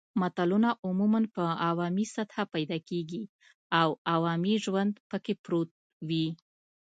متلونه عموماً په عوامي سطحه پیدا کېږي او عوامي ژوند پکې پروت وي